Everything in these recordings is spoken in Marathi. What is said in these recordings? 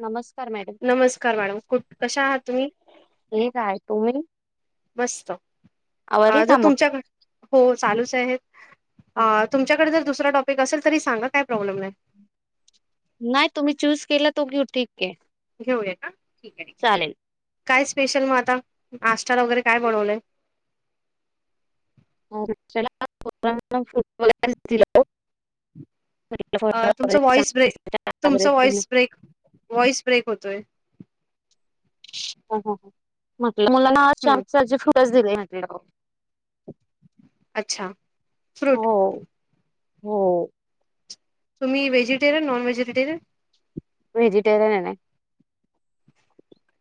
नमस्क नमस्कार मॅडम कुठ कशा आहात तुम्ही? ठीक हाय तुम्ही? मस्त! आवरली आजच काम तुमच्याकडे हो चालूच आहेत अ तुमच्याकडे जर दुसरा टॉपिक असेल तरी सांगा काही प्रॉब्लेम नाही. नाही तुम्ही च्युस केला तो ठीक हे. घेऊया का ठीक आहे. आहे चालेल. काय स्पेशल मग आता नाष्टाला वगैरे काय बनवलंय. हो त्याला फुटबॉल येतो फुटबॉल दिला तो. अ, तुमचं व्हॉइस ब्रेक तुमचा व्हॉइस [unintelligible] ब्रेक व्हॉइस ब्रेक होतोय. हा हा म्हणलं मुलांना हं, चहाच्या ऐवजी फ्रुटस दिले म्हंटलं. अच्छा! फ्रूट हो हो. तुम्ही व्हेजिटेरन का नॉन व्हेजिटेरन. व्हेजिटेरयन ना.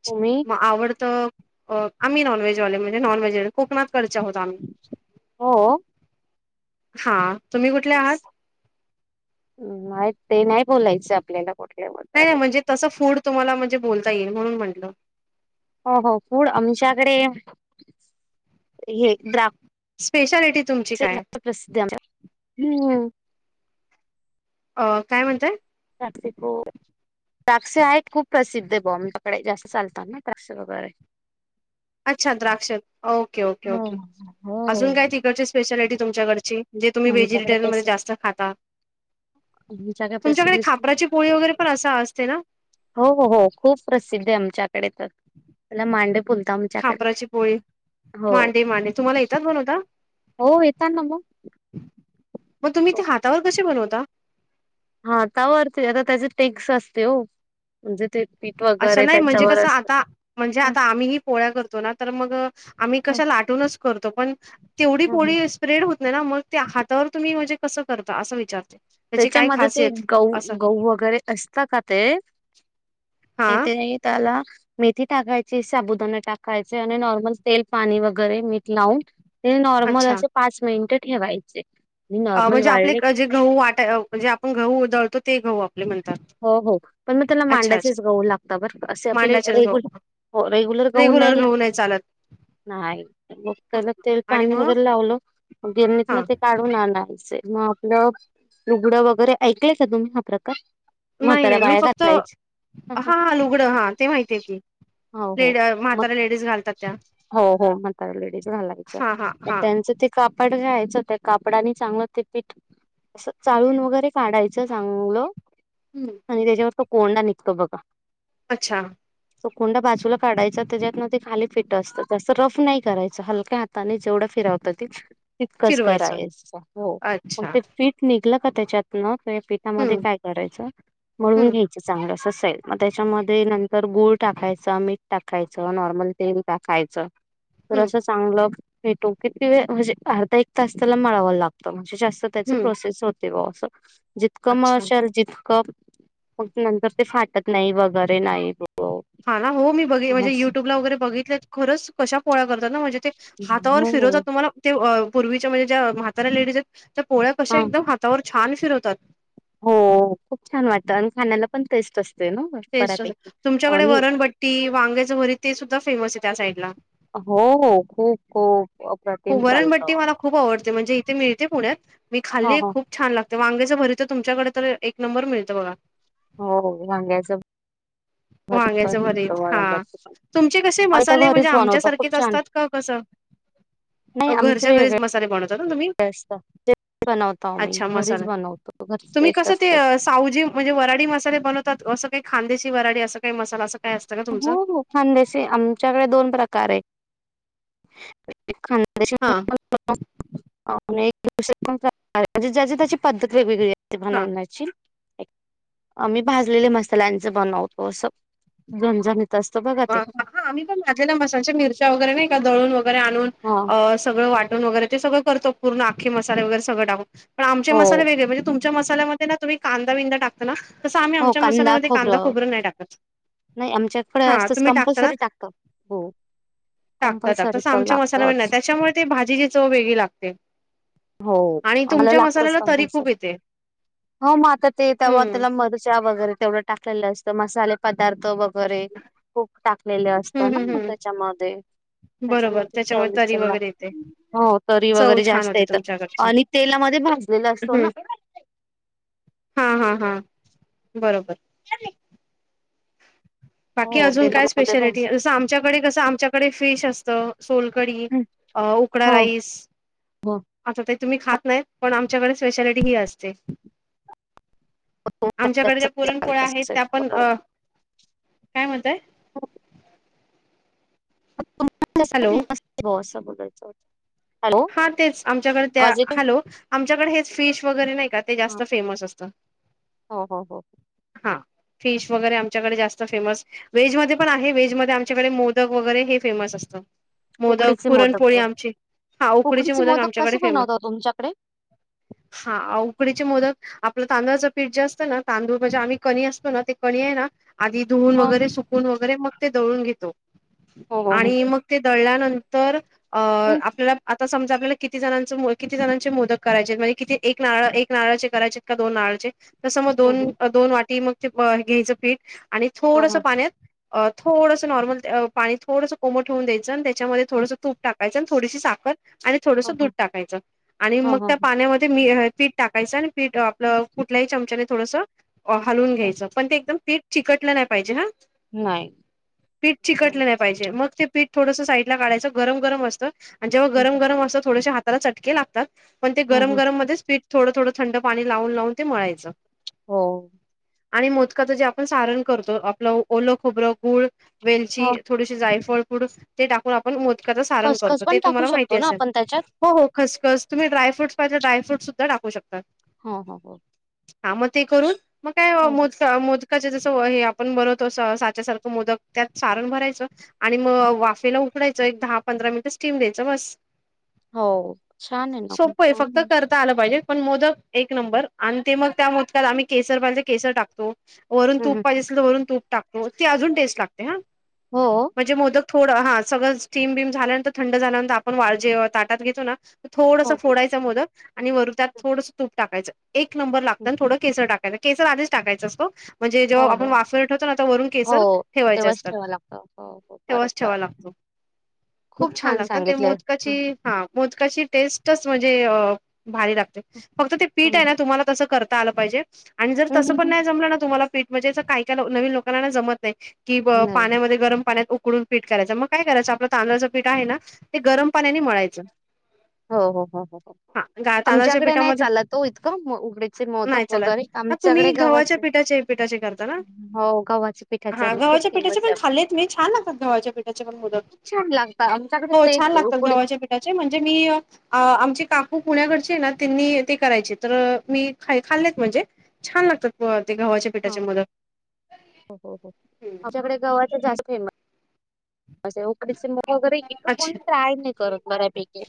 तुम्ही? मग आवडतं आम्ही नॉनव्हेजवाले म्हणजे नॉनव्हेज खुप मागतात. इकडच्याच होत आम्ही. हो तुम्ही कुठल्या आहात? माहीत ते नाही बोलायचं आपल्याला कधी. नाही नाही म्हणजे तसं फूड तुम्हाला म्हणजे बोलता येईल म्हणून म्हटलं‌ हो हो फूडआमच्याकडे आमच्याकडे हे ड्राफ्ट स्पेशालिटी तुमची काय आहे. प्रसिद्ध आमच्याकडे. हम‌. अ काय म्हणताय? खाद्य फूड द्राक्ष आहेत खूप प्रसिद्ध आहे बु आमच्याकडे जास्त चालतात ना द्राक्ष वगैरे. अच्छा द्राक्ष ओके ओके हो ओके अजून काय हो. तिकडची स्पेशालिटी तुमच्याकडची. जे तुम्ही आमच्याकडे व्हेजिटेन मध्ये पैसे जास्त खाता. आमच्याकडे पैसे तुमच्याकडे लिस्ट खापराची पोळी वगैरे पण असा असते ना? हो हो हो खूप प्रसिद्ध आहे आमच्याकडे तर. त्याला मांडे बोलता खापराची पोळी, आमच्याकडे हो. मांडे मांडे तुम्हाला येतात बनवता? हो येेत ना मग. मग तुम्ही ते हातावर कसे बनवता? हा हातावर त्याचे टेक्स असते हो म्हणजे ते, पीठ अच्छा वगैरे नाही म्हणजे त्यांच्यावर कसं असतं. आता म्हणजे आता आम्ही पोळ्या करतो ना तर मग आम्ही कशा लाटूनच करतो पण तेवढी पोळी स्प्रेड होत नाही ना मग त्या हातावर तुम्ही म्हणजे कसं करता असं विचारता. त्याच्यामध्ये ते, गहू - गहू वगैरे अस हा, [unintelligible] मेथी टाकायची. साबुदाना टाकायचे आणि नॉर्मल तेल - पाणी वगैरे मीठ लावून ते नॉर्मल अच्छा. असं, पाच मिनिट ठेवायचे. आणि नॉर्मल म्हणजे, आपले वाळले क जे गहू वाट जे आपण गहू दळतो ते गहू. आप हो, हो. पण मग त्याला, अच्छा. मांडाचेच गहू लागतात बरं. असे आपले मांडाचेच गहू. रेगुलर हो, रेग्युलर गहू नाही लाग नाही. म हं, त्याला हं. तेल- आणि पाणी मग? वगैरे लावलं. गिरणीत ना हां. ते काढ ढून आणायचे. मग आपलं लूगडं वगैरे. ऐकलंय का तुम्ही, हा प्रकार? नाही, म्हाताऱ्या नाही. मी बाया फक्त, घालायचे हा लुगडं, हा ते माहितीय की. हो हो लेडी, मग म्हाताऱ्या लेडीज घालतात त्या. हो, हो. म्हाताऱ्या लेडीज घालायच्या. हां, हां, हां. त्यांच ते कापड घ्यायचं. ते कापडानी चांगलं ते पीठ असं, चाळून वगैरे काढायचं, चांगलं. हम्म. आणि त्याच्यावर, तो कोंडा निघतो बघा. अच्छा. तो कोंडा बाजूला काढायचा. त्याच्यातन ते खाली फिट असतं. ते असं रफ नाही करायचं. हलक्या हाता ताने जेवढ फिरावत ते तितकंच फिरवायचं. करायचं. हो. मग अच्छा. ते पीठ निघलं का? त्याच्यातन, पिठामध्ये हं, काय करायचं. मळून हं, घ्यायचं. चांगलं अस सैल. मग त्याच्यामध्ये नंतर गूळ टाकायचं. मीठ टाका यचं. नॉर्मल तेल टाकायचं तर हं, असं चांगलं फेटो की ति म्हणजे, अर्धा एक तास त्याला मळावा लागतं. म्हणजे जास्त त्याच हं. प्रोसेस होत तेव्हा असं. जितका अच्छा. मळशाल तीतकं. मग नंतर ते फाटत नाही, वगैरे. नाही हो, हा, ना. हो मी बघे म्हणजे युट्युबला वगैरे बघितलेत. खरच, कशा पोळ्या करतात ना. म्हणजे ते हातावर हो फिरवतात. तुम्हाला, ते अ पूर्वीच्या म्हणजे ज्या म्हाताऱ्या लेडीज लेडीजयत त्या, पोळ्या कशा हा एकदम हात तावर छान फिरवतात. हो, खूप छान वाटतं. अन् खाण्याला पण टेस्ट असते ना. टेस्ट अस. बऱ्यापैकी तुमच्याकडे आणि वरणभट्टी, वांगेचं भरीत ते सुद्धा फेमसय, त्या साइडला. हो, हो. खूप खप अ हो, वरणबट्टी मला खूप आवडते. म्हणजे इथे मिळते पुण्यात. मी ह खालीय ह खूप छान लागते. वांगेच भरी तर तुमच्याकडे तर, एक नंबर मिळत बघा. हो, वांग्याच भरीत पण वांग्याचं मिळतं. भरीत हा वरण बट्टी सोबत. तुमचे कसे, मसाले म्हणजे आमच्यासारखेच असतात का, कसं? नाही आमचे घरच्या, घरीच वेगवेगळे मसाले बनवत असतं. तेच बनवतो आमी. अच्छा मसाला घरीच बनवतो. घरीच तुम्ही टेस्ट कसं ते असते. सावजी, म्हणजे वराडी मसाले बनवतात. असं काही खांदेशी, वराडी असं काही मसाला असं काय असतं का, तुमचं? हो हो खानदेशी. आमच्याकडे दोन प्रकारयत. एक खानदेशी हा. [unintelligible] म्हणजे ज्याची त्याची पद्धत वेगवेगळीय. ते हा बनवण्याची. आमी भाजलेले मसाल्यांच बनवतो. असं झणझणीत. तसत बघा ते. हा, आम्ही पण भाजलेल्या मसाच्या मिरच्या वगैरे नाही का, दळून वगैरे आणून हा अ.. सगळं वाटून वगैरे- ते सगळं करतो पूर्ण अख्खे मसाले वगैरे सगंळ टाकून, पण आमचे हो मसाले वेगळे म्हणजे तु- मच्या मसाल्यामध्ये ना तुम्ही कांदा विंदा टाकता ना, तसं आम्ही आमच्या मसाल्यामध्ये कांदा, खोबरं नाही टाकत. नाही, आमच्याकडे हा असतच, तुम्ही टाकता कंपल्सरी टाकतो हो. टाकत, टाकत कंपल्सरी असं तर आमच्या मसालामध्ये नाही, लागतच त्याच्यामुळे ते भाजीची चव वेगळी लागते. हो आणि आम्हाला तुमच्या लागतच मसाल्याला तरी खूप कंपल्सरी येते. हो, मग आता ते तेव्हा हम्म त्याला मिरचा वगैरे तेवढं टाकलेलं असत, मसाले पदार्थ वग- वगैरे खूप टाकलेले असतात हम्म ना, हम्म म हम्म त्याच्यामध्ये. बरोबर त्याच्यामध्ये त्याच्यामुळे चवलीस तरी ज वगैरे येते. [unintelligible] हो, तरी चव वगैरे छान जास्त होते येतात तुमच्याकडचे आणि तेलामध्ये भाजलेला असतो हम्म ना. हा, हा, हा, बरोबर. [inaudible] बाकी हो अजून काय तेलामध्ये स्पेशालिटी भाज आहे, जसं आमच्याकडे कसं आमच्याकडे फिश असतं. सोलकढी, अ उकडा हो राईस. हो हो, आता ते तुम्ही खात नाहीत, पण आमच्याकडे स्पेशालिटी ही असते. हो, आमच्याकडे ज्या पुरणपोळ्या चालत आहेत, असेल. त्या पण बरं. अ काय म्हणतोय? हॅलो [unintelligible] हा, तेच आमच्याकडे त्या, आवाज येतोय? हॅलो? आमच्याकडे हेच फिश वगैरे नाही का, ते हां. जास्त फेमस असतं. हो, हो, हो. हा, फिश वगैरे आमच्याकडे जास्त फेमस- व्हेजमध्ये पण आहे, व्हेजमध्ये आमच्याकडे मोदक वगैरे हे फेमस असतं. मोदक, उकडीचे मोदक पुरणपोळी व आमची हा, उकडीचे मोदक आमच्याकडे कसे फेमस- बनवता तुमच्याकडे? हा, उकडीचे मोदक आपलं तांदूळाचं पीठ जे असतं ना, तांदूळ- म्हणजे आम्ही कणी असतो ना, ते कणी आहे ना, आधी धुवून हं. वगैरे, सुकून वगैरे मग ते दळून घेतो- हो हो हो आणि मग ते दळल्यानंतर अ हम्म आपल्याला आता समजा आपल्याला- किती जणांचे, किती जणांचे मोदक करायचे, म्हणजे किती एक नारळ, एक नारळाचे करायचे का दोन नारळाचे- तसं मग हम्म दोन, दोन वाटी मग ते घ्यायचं पीठ आणि हम्म थोडस हम्म पाण्यात- अ थोडसं नॉर्मल ते पाणि थोडंस कोमट ठेवून द्यायचं आणि - त्याच्यामध्ये थोडसं तूप टाकायचं आणि थोडीशी साखर आणि थोडसं दूध हम्म टाकायचं. आणि मग हम्म त्या हम्म पाण्यामध्ये मी पीठ टाकायचं आणि पीठ आपलं कुठल्याही चमचाने थोडस- हलवून हम्म. घ्यायचं, पण ते एकदम पीट चिकटलं नाही पाहिजे हा. नाही पीठ हम्म चिकटले नाही पाहिजे मग- ते पीठ थोडसं साईड ला काढायचं. गरम, गरम असतं आणि जेव्हा गरम, गरम असतं थोडसे हाताला चटके लागतात. पण ते गरम, हम्म गरम मध्येच पीठ थोडं, थोडं थंड पाणी लावून, लावून ते मळायचं. हो. आणि मोदकाचं जे आपण सारण करतो, आपलं ओलं खोबरं, गुळ, वेलची हो थोडीशी- जायफळ पूड टाकून आपण ते मोदकाच सारण खसखस करतो, पण ते टाकू तुम्हाला माहिती शकतो ना असेल? आपण त्याच्यात? हो, हो, खसखस तुम्ही डायफ्रट् पाहिजे, ड्रायफ्रूटस सुध्दा टाकू शकता. हं, हं, हं. हा मग ते करून मग काय मोज- मोदकाचे जसं हे वय आपण बनवतो साच्यासारखं मोदक, त्यात सारण भरायचं- आणि मग वाफेला उकडायचं, एक दहा, पंधरा मिनिटं स्टीम द्यायचं बास. हो, छान आहे ना, छान फक्त आहे. करता आलं पाहिजे, पण मोदक एक नंबर आणि ते मग त्या मोदकात आम्ही केसर पाहिजे, केसर टाकतो. वरून हं, तूप हं. पाहिजेल तर वरून तूप टाकतो ती अजून टेस्ट लागते हा. हो, म्हणजे मोदक थोडं हा सगळं स्टीम बिम झाल्यानंतर थंड झाल्यानंतर आपण वाळ जे ताटात घेतो ना. थोडस हो फोडायचं मोदक आणि वरून त्यात थोडंसं तूप टाकायचं एक नंबर लागत हं. ना थोडं. टाकाय केसर आधी टाकायचं असतो. म्हणजे जेव्हा हो. आपण हो. वाफर ठेवतो ना वरून केसर हो, ठेवायचे तेव्हाच असतात. ठेवावं लागतं. हो, हो, तेव्हाच बरोबर. ठेवावा लागतो खूप छान लागत ते मोदकात. चे हा मोदकाची टेस्टच म्हणजे भारी लागत्या. फक्त ते पीठ हं. आहे ना तुम्हाला तसं करता आलं पाहिजे आणि जर हं, तसं हं, पण हं. नाही जमलं ना तुम्हाला पीठ. म्हणजे असं काही का नवीन लोकांना जमत नाही की व नाही. पाण्यामध्ये गरम पाण्यात उकडून. पीठ करायचं मग काय करायचं आपलं तांदळाचं पीठ आहे ना ते गरम पाण्याने मळायचं. हो हो हो हो हो, हा गा तांदळाच्या आमच्याकडे नाही पिठामध्ये चालतो इतकं उघडे. चे मोदक नाही चालत वगैरे हा आमच्याकडे तुम्ही गव्हाच्या गवचे आहे पिठाचे पिठाचे करता ना हो गवाचे. हा गव्हाच्या पिठाचे पण खाल्लेत मी छान लात गव्हाच्या पिठाचे पण मोदक. खूप छान लागतात. आमच्याकडे हो छान तेच लागतात उकडीच गव्हाच्या पिठाचे. चे तसे म्हणजे मी आ आमचे काकू पुण्याकडचिए ना त्यांनी ते करायचे तर मी. हाय खाल्लंत म्हणजे छान लागतात अ ते गव्हाचे. हा हो हो हो, आमच्याकडे गव्हाच्या जास्त फेमस. असे उकडीचे मोदक वगैरे इथं अच्छा कोणी ट्राय नै करत बऱ्यापैकी.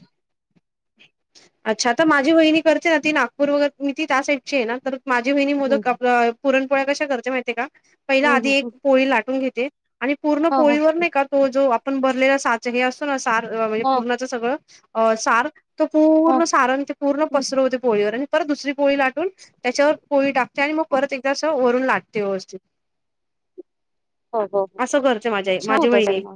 अच्छा तर माझी वहिनी करते ना. ती नागपूर वगैर मी ती त्या साईडची आहे ना तर. माझी वहिनी हं, मोदक हं. आपलं पुरणपोळ्या कशा करते माहितीय का. पहिला हं, आधी हं, एक हं. पोळी लाटून घेते आणि पूर्ण हो, हो. पोळीवर नै का तो जो आपण भरलेला सा''--'' हे असो ना सार म्हणजे हो, पूर्णाचं सगळं अ सार. तो हो. पूर्ण सारण ते पूर्ण हं. पसरवते पोळीवर आणि परत दुसरी पोळी लाटून. त्याच्यावर पोळी टाकते आणि मग परत एकदा असं वरून लाटते व्यवस्थित. हो, हो, हो. असं करते माझी आई छान माझी होतं वहिणी. त्यांना.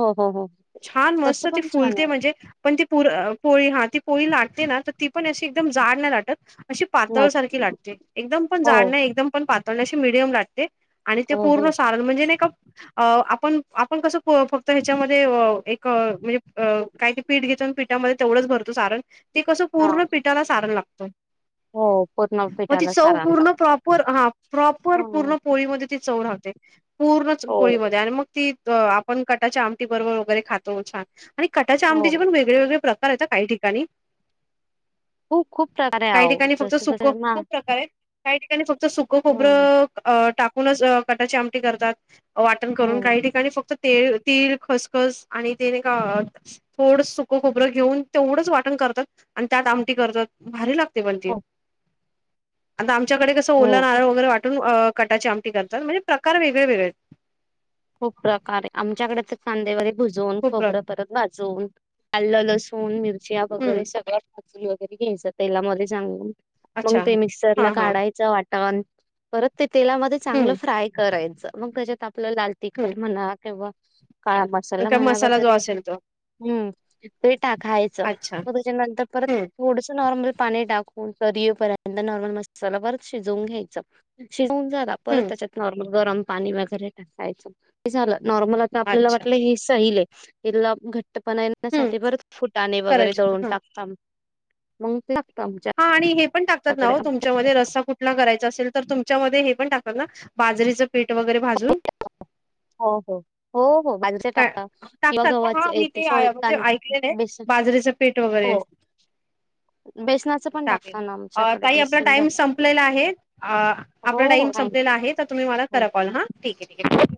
हो, हो, हो. छान मस्त तसं ती पण छान फुलते म्हणजे. पण ती पुर पोळी हा ती पोळी लाटते ना तर ती पण अशी एकदम जाड नाही लाटत. अशी नाही पातळसारखी लाटते एकदम पण हो जाड नायी एकदम पण पातळ नायी अशी मिडियम लाटते. आणि ते हो पूर्ण हो सारण म्हणजे नै का अ आपण आपण कसं प फक्त ह्याच्यामध्ये अ एक. अ म्हणजे अ काय ते पीठ घेतो न पीठामध्ये तेवढंच भरतो सारण. ते कसं हा पूर्ण पिठाला सारण लागतं. हो पूर्ण. म ती पिठाला चव सारांना पूर्ण प्रॉपर हा प्रॉपर हम्म पूर्ण पोळीमध्ये ती चव राहते. पूर्णच हो पोळीमध्ये आणि मग ती. द आपण कटाच्या आमटी बरोबर वगैरे खातो छान आणि कटाच्या आमटीचे हो पण वेगळे वेगळे. प्रकार आहेत काही ठिकाणी. खूप खूप प्रकारे काही आहो ठिकाणी फक्त जसे सुक्कं जसे मा खूप प्रकारएत काही ठिकाणी फक्त सुक्कं हं, खोबरं. अ टाकूनच अ कटाची आमटी करतात वाटण हो करून काही ठिकाणी फक्त. तीळ तीळ खसखस आणि ते नै का थोड सुकं. खोबरं घेऊन तेवढंच वाटण करतात आणि त्यात आमटी करतात भारी लागत. ती पण ती हो आता आमच्याकडे कसं ओला हो नारळ वगैरे वाटून. अ कटाची आमटी करतात म्हणजे प्रकार वेगळे वेगळेएत. खूप प्रकारे हाय आमच्याकडे तर. कांदे व भुजून खूप प्र खोबरं परत भाजून आल्ल लसून मिरच्या हम्म वगैरे सगळं. वगैरे घ्यायचं तेलामध्ये चांगलं, मग अच्छा ते मिशकर हा ला हा काढायचं वाटन. परत ते तेलामध्ये चांगलं हम्म फ्राय करायचं. मग त्याच्यात आपलं लाल हम्म तिखट म्हणा किंवा काळा मसाला का म्हणा जो वगैरे असेल तो हम्म ते टाखायचं. अच्छा मग त्याच्यानंतर परत हम्म थोडंसं नॉर्मल पाणी टाक तरी ये परत एकदा नॉर्मल मसाला परत शिजवून घ्यायचं. शिजवून झाला परत हम्म त्याच्यात नॉर्मल गरम पाणी वगैरे टाकायचं, हे झालं नॉर्मल आता आपल्याला अच्छा वाटलं हे सैलए तिल्ला घट्टपणा हम्म येण्यासाठी परत फुटाणे वगैरे खरंच दळून हं टाकता मंग हा आणि हे पण टाकतात ना ओ तुमच्यामध्ये रस्सा कुठ ला करायचा असेल तर तुमच्या मध्ये हे पण टाकतात ना, बाजरीचं पीठ वगैरे भाजून? हो हो हो हो बाजरीचं काय टाकतात, किंवा टाकतात ना गव्हाचं हा ए मी ते सॉरी तांद बेसन पीट वगैरे बेसना चालेल. अ ताई आपला टाइम संपलेला आहे, आ हो आपला टाईम हो संपलेला थँक्यू आहे त तुम्ही मला हो करा कॉल हां. ठीके ठीके ठीके.